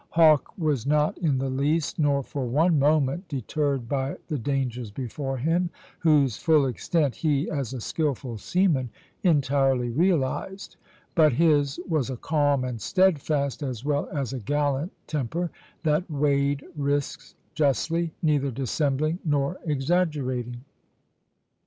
Hawke was not in the least, nor for one moment, deterred by the dangers before him, whose full extent he, as a skilful seaman, entirely realized; but his was a calm and steadfast as well as a gallant temper, that weighed risks justly, neither dissembling nor exaggerating.